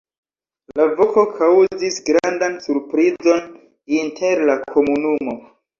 La voko kaŭzis grandan surprizon inter la komunumo.